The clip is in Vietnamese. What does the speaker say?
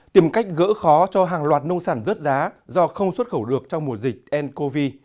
tìm cách gỡ khó cho hàng loạt nông sản rớt giá do không xuất khẩu được trong mùa dịch ncov